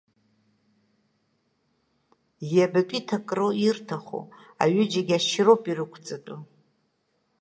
Иабатәи ҭакроу ирҭаху, аҩыџьагьы ашьроуп ирықәҵатәу!